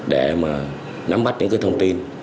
để nắm bắt những thông tin